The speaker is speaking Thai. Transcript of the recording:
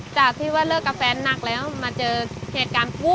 คือวันนั้นมากรีดยาง